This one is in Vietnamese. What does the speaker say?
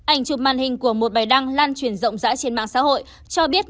ảnh chụp màn hình của một bài đăng lan truyền rộng rãi trên mạng xã hội cho biết